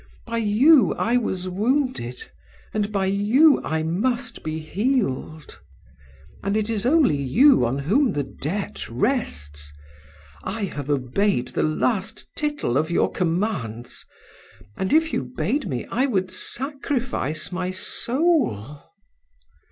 By you I was wounded, and by you I must be healed. And it is only you on whom the debt rests. I have obeyed the last tittle of your commands; and if you bade me, I would sacrifice my soul.